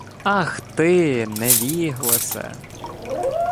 — Ах ти, невіголосе!..